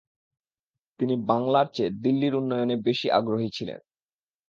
তিনি বাংলার চেয়ে দিল্লির উন্নয়নে বেশি আগ্রহী ছিলেন।